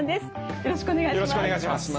よろしくお願いします。